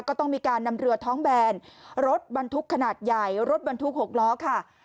ก็ต้องมีการนำเรือท้องแบนรถบรรทุกขนาดใหญ่รถบรรทุก๖ล้อค่ะ